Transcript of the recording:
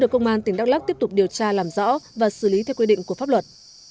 công an tỉnh đắk lắc tiếp tục điều tra làm rõ và xử lý theo quy định của pháp luật